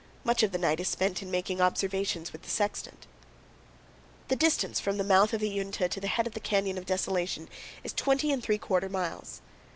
Much of the night is spent in making observations with the sextant. The distance from the mouth of the Uinta to the head of the Canyon of Desolation is 20 3/4 miles.